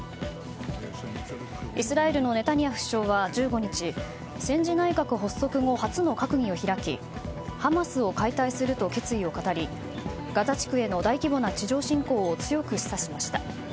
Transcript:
イスラエルのネタニヤフ首相は、１５日戦時内閣発足後初の閣議を開きハマスを解体すると決意を語りガザ地区への大規模な地上侵攻を強く示唆しました。